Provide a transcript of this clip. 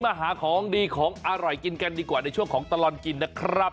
มาหาของดีของอร่อยกินกันดีกว่าในช่วงของตลอดกินนะครับ